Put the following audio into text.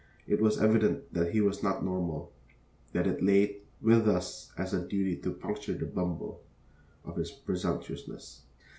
It was evident that he was not normal, that it lay with us as a duty to puncture the bubble of his presumptuousness.